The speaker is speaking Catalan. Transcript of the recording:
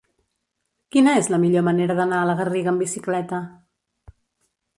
Quina és la millor manera d'anar a la Garriga amb bicicleta?